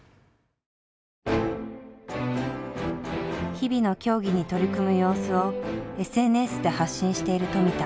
日々の競技に取り組む様子をＳＮＳで発信している富田。